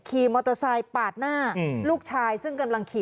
ขี่มอเตอร์ไซค์ปาดหน้าลูกชายซึ่งกำลังขี่